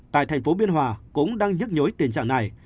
tại tp biên hòa cũng đang nhức nhối tình trạng này